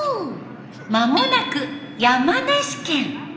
間もなく山梨県。